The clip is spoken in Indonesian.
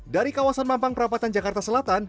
dari kawasan mampang perapatan jakarta selatan